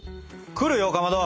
くるよかまど。